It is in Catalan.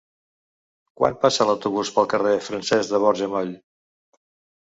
Quan passa l'autobús pel carrer Francesc de Borja Moll?